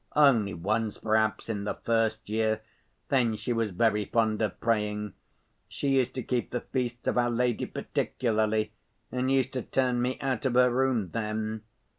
Only once, perhaps, in the first year; then she was very fond of praying. She used to keep the feasts of Our Lady particularly and used to turn me out of her room then.